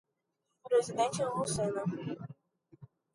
Presidente Lucena